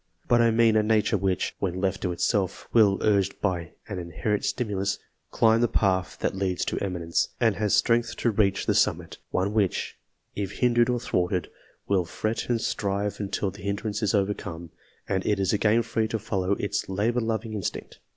But I mean a nature which, when left to itself, will, urged by an in herent stimulus, climb the path that leads to eminence, and has strength to reach the summit one which, if hindered or thwarted, will fret and strive until the hin D 34 COMPARISON OF THE is overcome, and it is again free to follow its labour loving instinct.